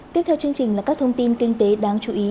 tiếp theo chương trình là các thông tin kinh tế đáng chú ý